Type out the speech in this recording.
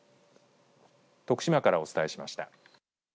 徳島からお伝えしました。